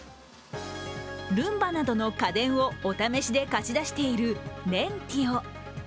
ルンバなどの家電をお試しで貸し出しているレンティオ。